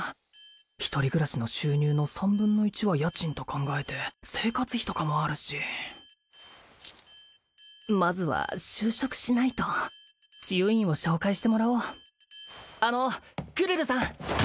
一人暮らしの収入の３分の１は家賃と考えて生活費とかもあるしまずは就職しないと治癒院を紹介してもらおうあのクルルさん